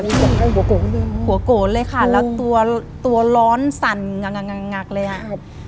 หัวโกงเลยหัวโกนเลยค่ะแล้วตัวตัวร้อนสั่นงังงักเลยอ่ะครับ